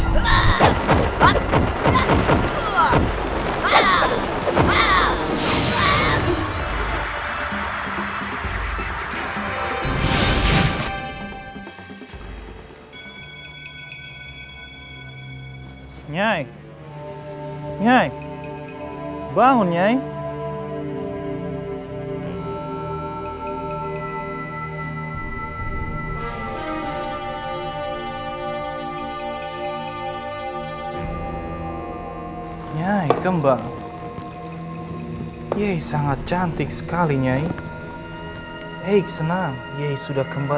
siapa yang menembak kamu